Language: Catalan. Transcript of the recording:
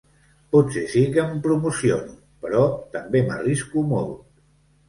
Potser sí que em promociono, però també m’arrisco molt.